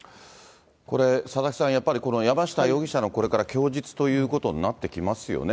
これ、佐々木さん、やっぱりこの山下容疑者のこれから供述ということになってきますよね。